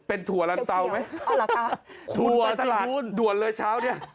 เป็นถั่วลันเตาไหมคุณไปสลัดด่วนเลยเช้านี้